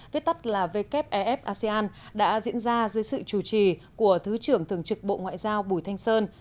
viết tắt là wef asean đã diễn ra dưới sự chủ trì của thứ trưởng thường trực bộ ngoại giao bùi thanh sơn